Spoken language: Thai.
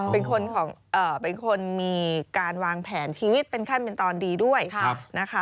เป็นคนมีการวางแผนชีวิตเป็นขั้นเป็นตอนดีด้วยนะคะ